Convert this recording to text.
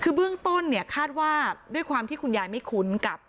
คือเบื้องต้นเนี่ยคาดว่าด้วยความที่คุณยายไม่คุ้นกับ